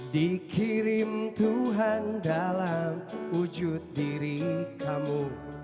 dikirim tuhan dalam wujud diri kamu